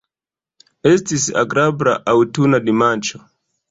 Estis agrabla aŭtuna dimanĉo.